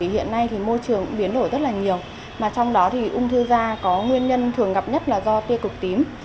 hiện nay thì môi trường biến đổi rất là nhiều mà trong đó thì ung thư da có nguyên nhân thường gặp nhất là do tiêu cực tím